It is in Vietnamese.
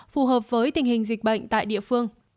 phù hợp với tình hình dịch bệnh tại địa phương